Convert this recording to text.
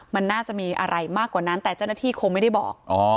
มันน่าจะมีอะไรมากกว่านั้นแต่เจ้าหน้าที่คงไม่ได้บอก